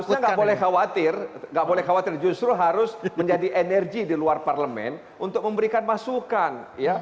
maksudnya nggak boleh khawatir nggak boleh khawatir justru harus menjadi energi di luar parlemen untuk memberikan masukan